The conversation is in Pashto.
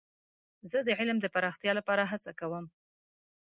زه د علم د پراختیا لپاره هڅه کوم.